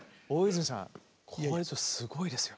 声質すごいですよ。